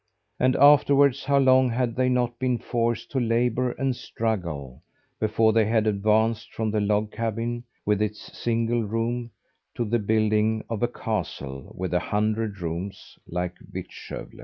And afterward how long had they not been forced to labour and struggle, before they had advanced from the log cabin, with its single room, to the building of a castle with a hundred rooms like Vittskövle!